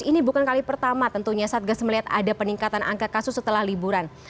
ini bukan kali pertama tentunya satgas melihat ada peningkatan angka kasus setelah liburan